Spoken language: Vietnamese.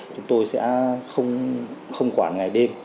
chúng tôi sẽ không quản ngày đêm